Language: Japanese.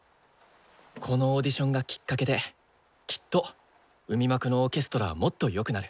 このオーディションがきっかけできっと海幕のオーケストラはもっとよくなる。